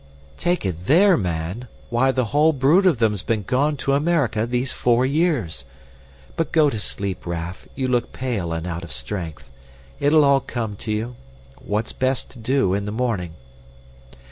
"Take it there, man! Why the whole brood of them's been gone to America these four years. But go to sleep, Raff, you look pale and out of strength. It'll al come to you, what's best to do, in the morning.